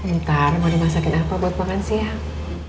ntar mau dimasakin apa buat makan siang